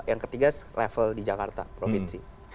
yang ketiga level di jakarta provinsi